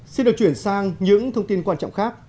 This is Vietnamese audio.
xin được chuyển sang những thông tin quan trọng khác